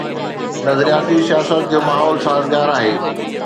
نظرياتي سياست جو ماحول سازگار آهي.